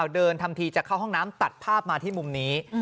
เดินทำทีจะเข้าห้องน้ำตัดภาพมาที่มุมนี้